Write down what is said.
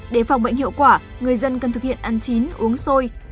để phòng bệnh hiệu quả người dân cần thực hiện ăn chín uống sôi